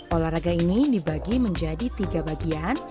olahraga ini dibagi menjadi tiga bagian